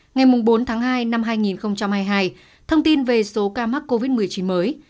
ngày bốn tháng hai năm hai nghìn hai mươi hai thông tin về số ca mắc covid một mươi chín mới